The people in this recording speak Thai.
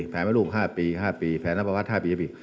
แผนแม่ลูก๕ปี๕ปีแผนนับประวัติ๕ปี